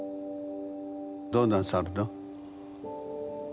どうなさるの？